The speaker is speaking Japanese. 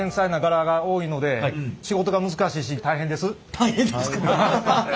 大変ですか。